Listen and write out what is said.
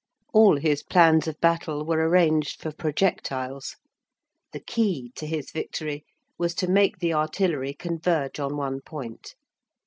All his plans of battle were arranged for projectiles. The key to his victory was to make the artillery converge on one point.